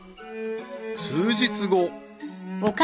［数日後］